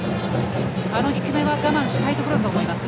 あの低めは我慢したいところだと思います。